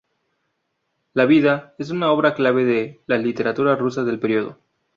La "Vida" es una obra clave de la literatura rusa del periodo.